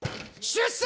出世！